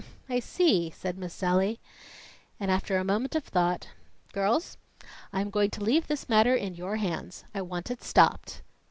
"H'm, I see!" said Miss Sallie; and, after a moment of thought, "Girls, I am going to leave this matter in your hands. I want it stopped."